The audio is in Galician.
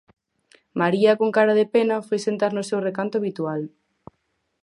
María con cara de pena, foi sentar no seu recanto habitual.